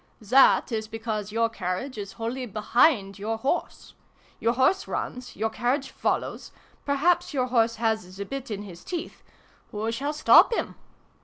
" That is because your carriage is wholly behind your horse. Your horse runs. Your carriage follows. Perhaps your horse has the bit in his teeth. Who shall stop him